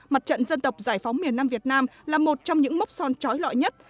mặt trận dân tộc giải phóng miền nam việt nam là một trong những mốc son trói lọi nhất